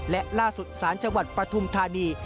และล่าสุดสารจังหวัดปฐุมธานี